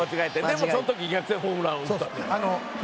でもその時逆転ホームランを打ったんだよね。